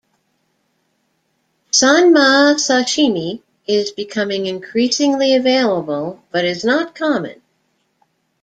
"Sanma" sashimi is becoming increasingly available but is not common.